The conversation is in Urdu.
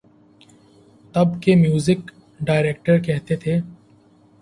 تب کے میوزک ڈائریکٹر کہتے تھے۔